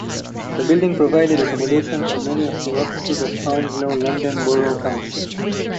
The building provided accommodation for many of the offices of Hounslow London Borough Council.